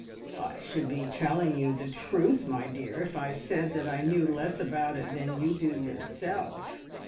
"I should be telling you the truth, my dear, if I said that I knew less about it than you do yourself.